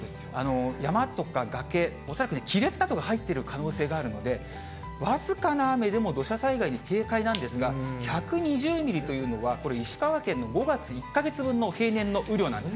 山とか崖、恐らくね、亀裂などが入っている可能性があるので、僅かな雨でも土砂災害に警戒なんですが、１２０ミリというのは、これ、石川県の５月１か月分の平年の雨量なんです。